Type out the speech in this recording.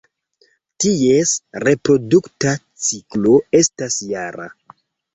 Ties reprodukta ciklo estas jara.